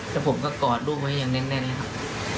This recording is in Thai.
แล้วผมก็กอดรูปไว้อย่างแน่นนะครับ